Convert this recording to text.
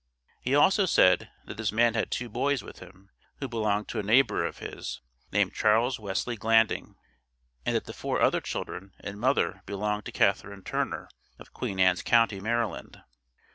He also said, that this man had two boys with him, who belonged to a neighbor of his, named Charles Wesley Glanding, and that the four other children and mother belonged to Catharine Turner, of Queen Ann's county, Maryland.